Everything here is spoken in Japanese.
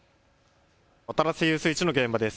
渡良瀬遊水地の現場です。